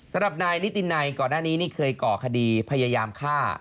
สำหรับนายนิตินัยก่อนหน้านี้นี่เคยก่อคดีพยายามฆ่า